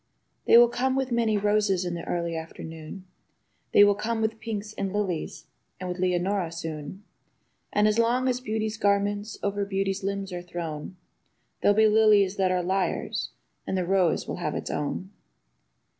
They will come with many roses in the early afternoon. They will come with pinks and lilies and with Leonora soon; And as long as beauty's garments over beaut/s limbs are thrown, There'll be lilies that are liars, and the rose will have its own.